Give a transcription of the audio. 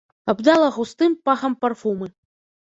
Абдало густым пахам парфумы.